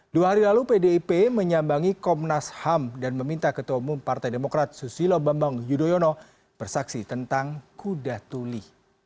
dua hari lalu pdip menyambangi komnas ham dan meminta ketua umum partai demokrat susilo bambang yudhoyono bersaksi tentang kuda tuli